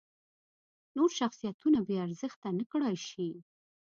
نور شخصیتونه بې ارزښته نکړای شي.